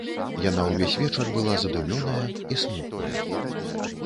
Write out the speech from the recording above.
Яна ўвесь вечар была задумёная і смутная.